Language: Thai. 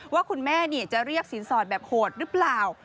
ว่าคุณแม่จะเรียกสินสอดแบบโหดหรือเปล่า